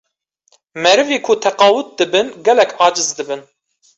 merivê ku teqewût dibin gelek eciz dibin